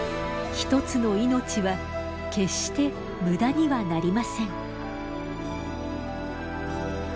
一つの命は決して無駄にはなりません。